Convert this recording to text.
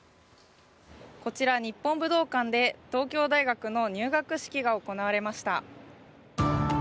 こちら、日本武道館で東京大学の入学式が行われました。